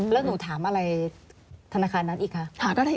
แล้วหนูถามอะไรธนาคารนั้นอีกคะ